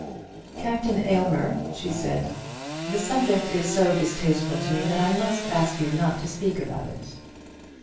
"Captain Aylmer," she said, "the subject is so distasteful to me, that I must ask you not to speak about it."